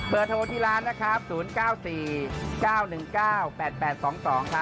เบอร์โทรที่ร้านนะครับศูนย์เก้าสี่เก้าหนึ่งเก้าแปดแปดสองสองครับ